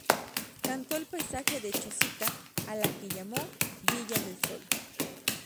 Cantó el paisaje de Chosica, a la que llamó "Villa del Sol".